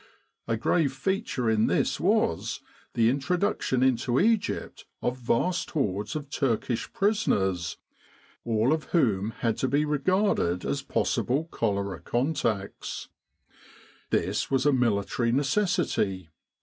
A grave feature in this was the introduction into Egypt of vast hordes of Turkish prisoners, all of whom had to be regarded as possible cholera contacts. This was a military necessity.